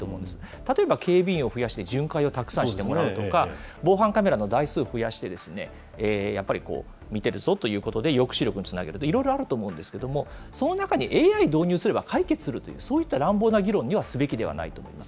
例えば警備員を増やして、巡回をたくさんしてもらうとか、防犯カメラの台数増やして、やっぱり、見てるぞということで、抑止力につなげるとか、いろいろあると思うんですけども、その中にＡＩを導入すれば解決するという、そういった乱暴な議論には、すべきではないと思います。